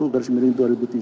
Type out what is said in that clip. garis miring dua ribu tiga